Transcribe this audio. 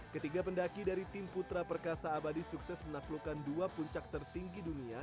ketiga pendaki dari tim putra perkasa abadi sukses menaklukkan dua puncak tertinggi dunia